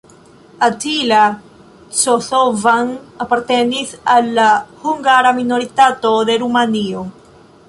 Attila Cosovan apartenis al la hungara minoritato de Rumanio.